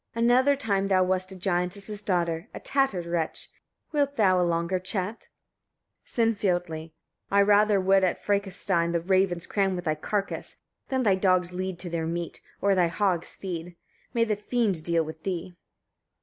Another time thou wast a giantess's daughter, a tattered wretch. Wilt thou a longer chat? Sinfiotli. 43. I rather would at Frekastein the ravens cram with thy carcase, than thy dogs lead to their meat, or thy hogs feed. May the fiend deal with thee!